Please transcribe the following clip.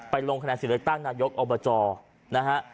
ไปลงคะแนนศิลป์ตั้งนายกอบจนะฮะ